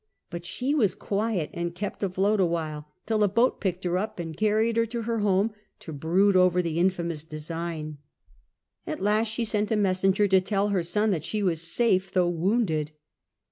But she was quiet and kept afloat a while, till a boat picked her up and carried her to her home, to brood over the infamous design. At last she sent a messenger to tell her son * that she was safe though wounded.